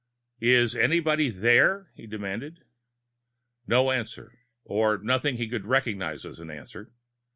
"Is anybody there?" he demanded. No answer or nothing he could recognize as an answer.